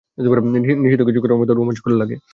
নিষিদ্ধ কিছু করার মতো রোমাঞ্চকর লাগে।